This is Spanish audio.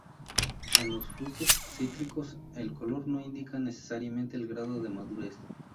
En los frutos cítricos, el color no indica necesariamente el grado de madurez.